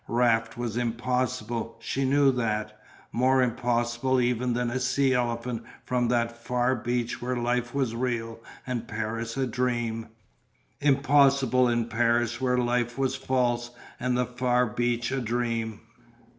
Raft was impossible. She knew that. More impossible even than a sea elephant from that far beach where life was real and Paris a dream. Impossible in Paris where life was false and the far beach a dream.